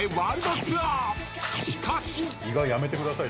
［しかし］